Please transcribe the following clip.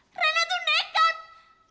hah renek tuh nekat